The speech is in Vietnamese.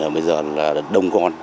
bây giờ là đông con